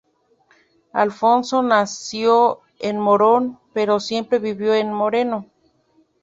Alfonso nació en Morón, pero siempre vivió en Moreno.